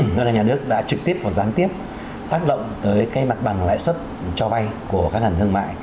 ngân hàng nhà nước đã trực tiếp và gián tiếp tác động tới mặt bằng lãi suất cho vay của các ngân thương mại